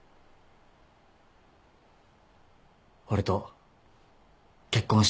俺と結婚してくだ。